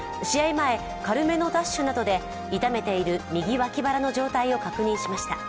前、軽めのダッシュなどで痛めている右脇腹の状態を確認しました。